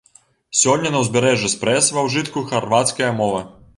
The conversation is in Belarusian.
Сёння на ўзбярэжжы спрэс ва ўжытку харвацкая мова.